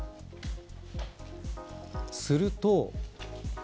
すると。